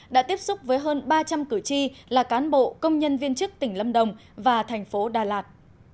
đã tiếp xúc với hơn ba trăm linh cử tri là cán bộ công nhân viên chức tỉnh lâm đồng và thành phố đà lạt